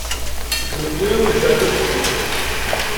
Nekkni ad m-necɛel taftilt.